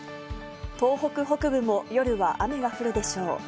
東北北部も夜は雨が降るでしょう。